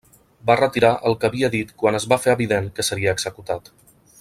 Va retirar el que havia dit quan es va fer evident que seria executat.